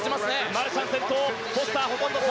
マルシャン先頭。